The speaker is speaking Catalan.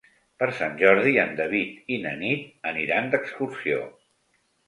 Per Sant Jordi en David i na Nit aniran d'excursió.